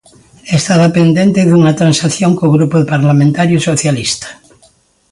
Estaba pendente unha transacción co Grupo Parlamentario Socialista.